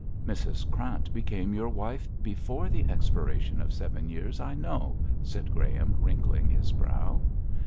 'Mrs Krant became your wife before the expiration of seven years, I know,' said Graham, wrinkling his brow.